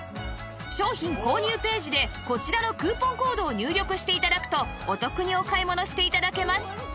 商品購入ページでこちらのクーポンコードを入力して頂くとお得にお買い物して頂けます